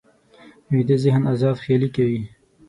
ویده ذهن ازاد خیالي کوي